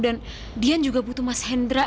dan dian juga butuh mas hendra